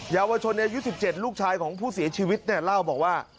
เยาวชนอายุ๑๗ลูกชายของผู้เสียชีวิตเนี่ยเล่าบอกว่า